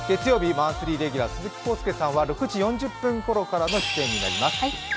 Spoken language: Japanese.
マンスリーレギュラー・鈴木浩介さんは６時４０分ごろからの出演となります。